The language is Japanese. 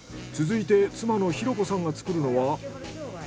続いて妻の裕子さんが作るのは。